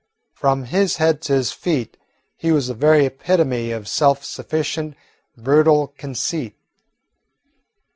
From his head to his feet he was the very epitome of self sufficient, brutal conceit.